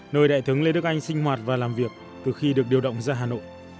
nơi đại tướng lê đức anh sinh hoạt và làm việc từ khi được điều động ra hà nội